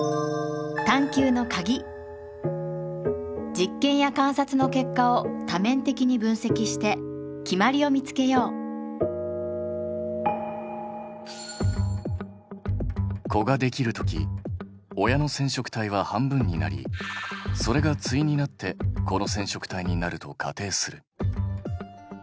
実験や観察の結果を多面的に分析して決まりを見つけよう子ができるとき親の染色体は半分になりそれが対になって子の染色体になると仮定する。